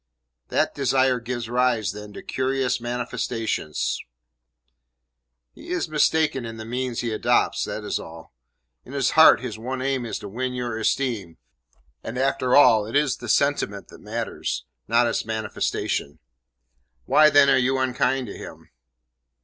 "That desire gives rise, then, to curious manifestations." "He is mistaken in the means he adopts, that is all. In his heart his one aim is to win your esteem, and, after all, it is the sentiment that matters, not its manifestation. Why, then, are you unkind to him?"